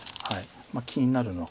気になるのは。